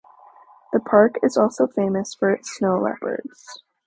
The park is also famous for its snow leopards.